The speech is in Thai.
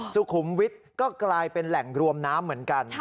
สุขุมวิทย์ก็กลายเป็นแหล่งรวมน้ำเหมือนกัน